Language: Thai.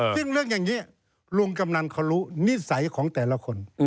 ซึ่งเรื่องอย่างนี้ลุงกำนันเขารู้นิสัยของแต่ละคน